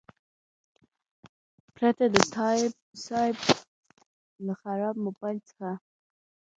پرته د تایب صیب له خراب موبایل څخه.